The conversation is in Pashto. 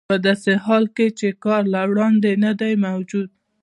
په داسې حال کې چې کار له وړاندې نه دی موجود